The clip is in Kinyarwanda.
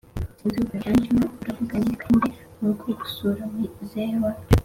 sinzi ukuntu byanjemo ndavuga nti reka njye murugo gusura muzehe wacu